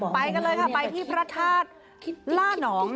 ไปกันเลยค่ะไปที่พระธาตุล่านอง